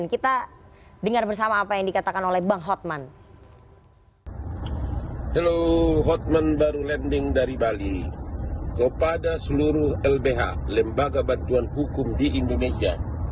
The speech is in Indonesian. kalau seluruh lbh lembaga bantuan hukum di indonesia